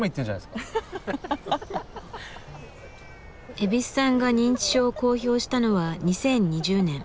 蛭子さんが認知症を公表したのは２０２０年。